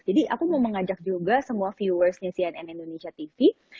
jadi aku mau mengajak juga semua viewersnya cnn indonesia tv